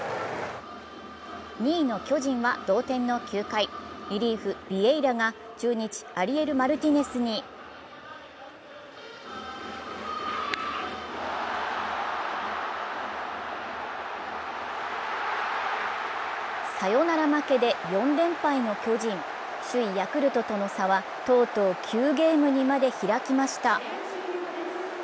２位の巨人は同点の９回、リリーフ・ビエイラが中日、アリエル・マルティネスにサヨナラ負けで４連敗の巨人、首位・ヤクルトとの差はとうとう９ゲームにまで開きました。